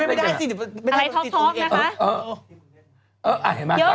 คุณหมอโดนกระช่าคุณหมอโดนกระช่า